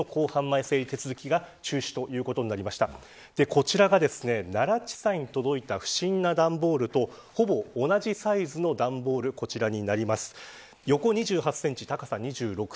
こちらが奈良地裁に届いた不審な段ボールとほぼ同じサイズの段ボールです。